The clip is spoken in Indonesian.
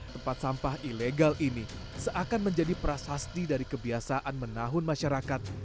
tempat sampah ilegal ini seakan menjadi prasasti dari kebiasaan menahun masyarakat